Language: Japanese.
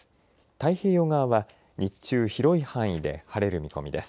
太平洋側は日中広い範囲で晴れる見込みです。